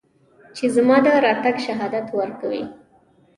چې زما د راتګ شهادت ورکوي